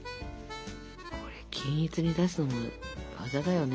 これ均一に出すのも技だよね。